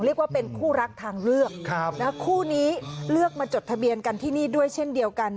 เรียกว่าเป็นคู่รักทางเลือกคู่นี้เลือกมาจดทะเบียนกันที่นี่ด้วยเช่นเดียวกัน